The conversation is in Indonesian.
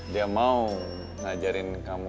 dia mau ngajarin kamu